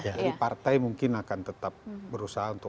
jadi partai mungkin akan tetap berusaha untuk